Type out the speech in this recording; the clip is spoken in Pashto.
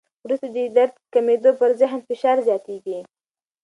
وروسته د درد کمېدو، پر ذهن فشار زیاتېږي.